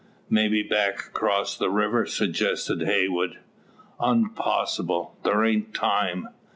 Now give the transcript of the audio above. "Maybe back, across the river?" suggests Heywood. "Unpossible. Thar ain't time.